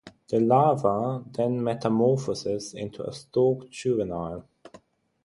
The larva then metamorphoses into a stalked juvenile.